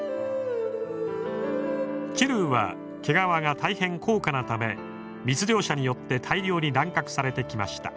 チルーは毛皮が大変高価なため密猟者によって大量に乱獲されてきました。